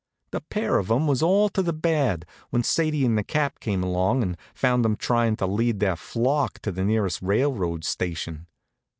The pair of 'em was all to the bad when Sadie and the Cap came along and found 'em tryin' to lead their flock to the nearest railroad station.